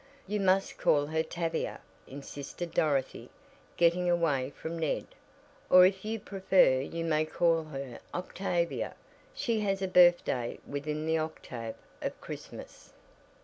"You must call her Tavia," insisted Dorothy, getting away from Ned, "or if you prefer you may call her Octavia she has a birthday within the octave of Christmas."